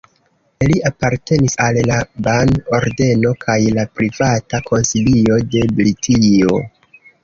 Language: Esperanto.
Li apartenis al la Ban-ordeno kaj la Privata Konsilio de Britio.